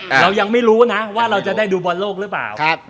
เรายังไม่รู้นะว่าเราจะได้ดูบอลโลกหรือเปล่าครับ